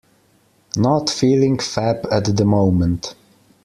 Not feeling fab at the moment.